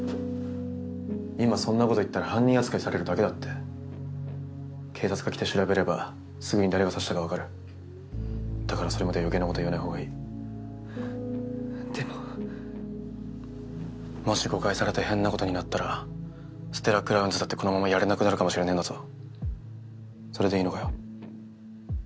今そんなこと言ったら犯人扱いされる警察が来て調べればすぐに誰が刺しただからそれまで余計なこと言わない方でももし誤解されて変なことになったらステラクラウンズだってこのままやれなくなるかもしれねぇんだぞそれでいいのかよ？